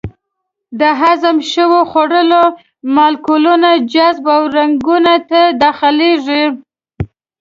د هضم شوو خوړو مالیکولونه جذب او رګونو ته داخلېږي.